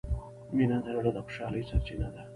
مینه د زړه د خوشحالۍ سرچینه ده.